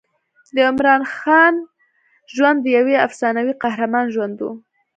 د عمراخان ژوند د یوه افسانوي قهرمان ژوند و.